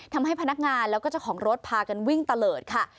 ทำให้พนักงานแล้วก็เจ้าของรถพากันวิ่งตะเลิศค่ะ